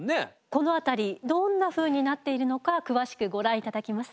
この辺りどんなふうになっているのか詳しくご覧頂きます。